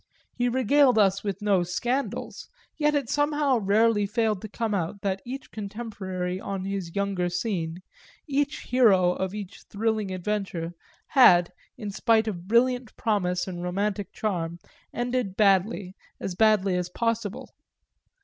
He regaled us with no scandals, yet it somehow rarely failed to come out that each contemporary on his younger scene, each hero of each thrilling adventure, had, in spite of brilliant promise and romantic charm, ended badly, as badly as possible.